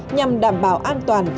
nhằm đảm bảo an toàn cho các khu du lịch